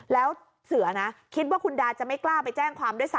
แล้วเสือนะคิดว่าคุณดาจะไม่กล้าไปแจ้งความด้วยซ้